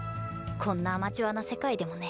こんなアマチュアな世界でもね。